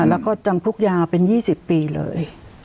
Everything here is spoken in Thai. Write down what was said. แล้วก็จำคุกยาวเป็น๒๐ปีเลย